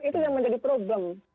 itu yang menjadi problem